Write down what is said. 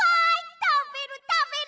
たべるたべる！